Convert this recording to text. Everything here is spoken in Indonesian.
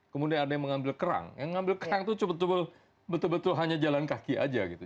kemudian ada yang mengambil kerang yang mengambil kerang itu betul betul hanya jalan kaki aja gitu